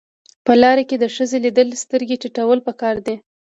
په لار کې د ښځې لیدل سترګې ټیټول پکار دي.